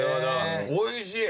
おいしい！